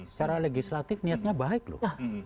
secara legislatif niatnya baik loh